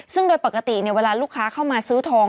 ซึ่งโดยปกติเวลาลูกค้าเข้ามาซื้อทอง